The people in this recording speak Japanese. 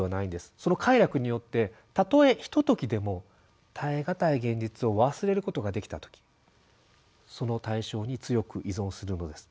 その快楽によってたとえひとときでも耐え難い現実を忘れることができた時その対象に強く依存するのです。